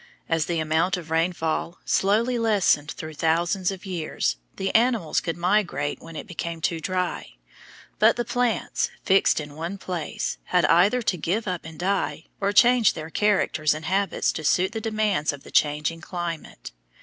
As the amount of rainfall slowly lessened through thousands of years, the animals could migrate when it became too dry; but the plants, fixed in one place, had either to give up and die, or change their characters and habits to suit the demands of the changing climate.